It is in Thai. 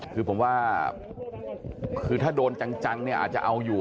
คือผมว่าคือถ้าโดนจังเนี่ยอาจจะเอาอยู่